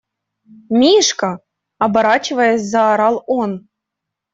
– Мишка! – оборачиваясь, заорал он.